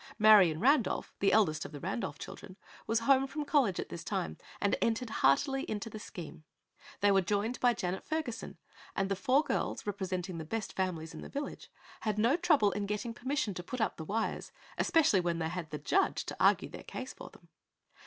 Marion Randolph, the eldest of the Randolph children, was home from college at this time and entered heartily into the scheme. They were joined by Janet Ferguson, and the four girls, representing the best families in the village, had no trouble in getting permission to put up the wires, especially when they had the judge to argue their case for them.